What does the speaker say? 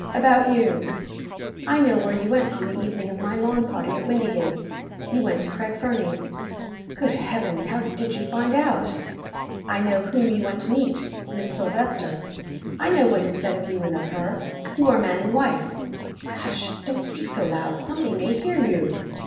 "About you. I know where you went on the evening of my lawn party at Windygates you went to Craig Fernie." "Good Heavens! how did you find out ?" "I know whom you went to meet Miss Silvester. I know what is said of you and of her you are man and wife." "Hush! don't speak so loud. Somebody may hear you!"